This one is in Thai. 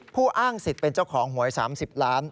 อ้างสิทธิ์เป็นเจ้าของหวย๓๐ล้าน